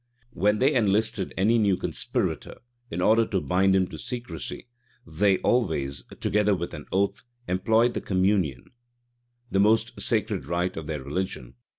When they enlisted any new conspirator, in order to bind him to secrecy, they always, together with an oath, employed the communion, the most sacred rite of their religion.